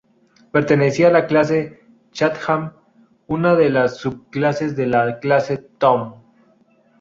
Pertenecía a la clase "Chatham", una de las subclases de la clase Town.